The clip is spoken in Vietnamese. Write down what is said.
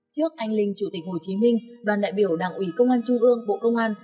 trước anh linh chủ tịch hồ chí minh đoàn đại biểu đảng ủy công an trung ương bộ công an